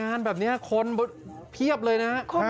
งานแบบนี้คนเพียบเลยนะ